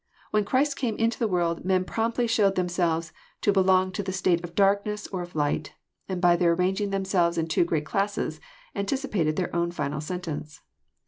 — When Christ came into the world, men promptly showed themseWes to belong to the state of darkness or of light, and by their arranging themselves in two great classes, anticipated their own final sentence."